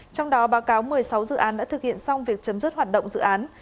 trong đó báo cáo một mươi sáu dự án đã thực hiện xong việc chấm dứt hoạt động dự án